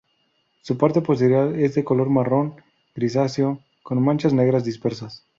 Su parte posterior es de color marrón grisáceo con manchas negras dispersas.